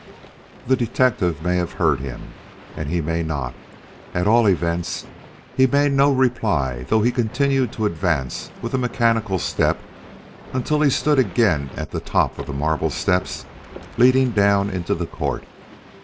] The detective may have heard him and he may not; at all events he made no reply though he continued to advance with a mechanical step until he stood again at the top of the marble steps leading down into the court.